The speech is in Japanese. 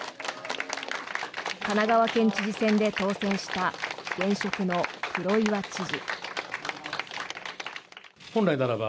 神奈川県知事選で当選した現職の黒岩知事。